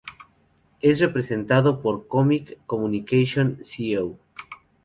Es representado por Comic Communication Co.